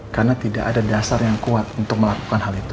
karena tidak ada dasar yang kuat untuk melakukan hal itu